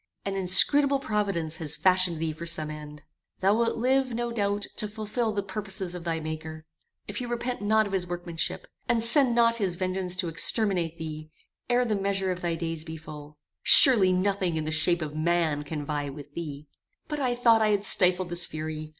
An inscrutable providence has fashioned thee for some end. Thou wilt live, no doubt, to fulfil the purposes of thy maker, if he repent not of his workmanship, and send not his vengeance to exterminate thee, ere the measure of thy days be full. Surely nothing in the shape of man can vie with thee! "But I thought I had stifled this fury.